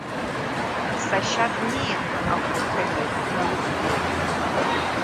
Сашьа днеин, ахәыҭаҩы дналыдгылеит.